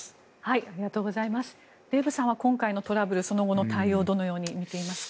デーブさんは今回のトラブル、その後の対応どのように見ていますか。